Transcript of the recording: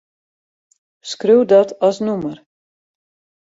Skriuw dat as nûmer.